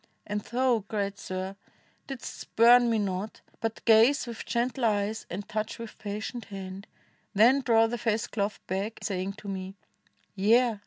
And thou, great sir! didst spurn me not, but gaze 39 INDIA With gentle eyes and touch ^dth patient hand; Then draw the face cloth back, sa}dng to me, 'Yea!